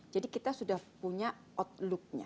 jadi kita sudah punya outlooknya